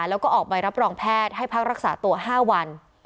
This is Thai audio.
แล้วก็ออกใบรับรองแพทย์ให้พักรักษาตัว๕วัน